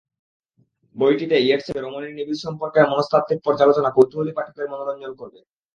বইটিতে ইয়েটসের সঙ্গে রমণীর নিবিড় সম্পর্কের মনস্তাত্ত্বিক পর্যালোচনা কৌতূহলী পাঠকের মনোরঞ্জন করবে।